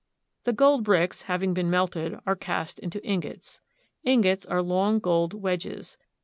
The gold bricks, having been melted, are cast into ingots. Ingots are long gold wedges.